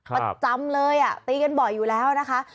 ประจำเลยอ่ะตีกันบ่อยอยู่แล้วนะคะ